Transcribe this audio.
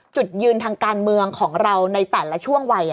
จุดยืนทางการเมืองของเราในแต่ละช่วงวัย